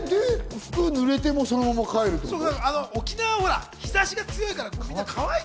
服が濡れても、そのまま帰るってこと？